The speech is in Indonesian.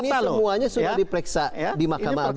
ini semuanya sudah diperiksa di mahkamah agung